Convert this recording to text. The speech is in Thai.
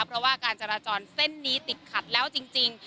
เพราะว่าการจราจรเส้นนี้ติดขัดแล้วจริง